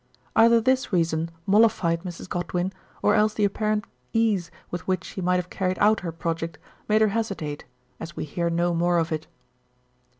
Either this reason mollified Mrs. Godwin, or else the apparent ease with which she might have carried out her project, made her MRS. SHELLEY. hesitate, as we hear no more of it.